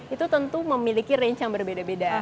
itu tentu memiliki range yang berbeda beda